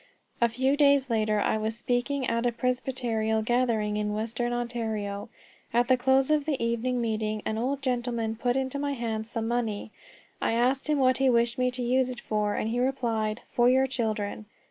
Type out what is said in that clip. A few days later I was speaking at a Presbyterial gathering in western Ontario. At the close of the evening meeting an old gentleman put into my hands some money. I asked him what he wished me to use it for, and he replied, "For your children.